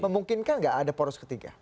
memungkinkan nggak ada poros ketiga